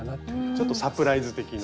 ちょっとサプライズ的な。